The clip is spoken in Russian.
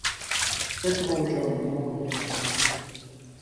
Этого уже он не мог переносить.